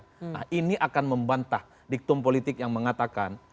nah ini akan membantah diktum politik yang mengatakan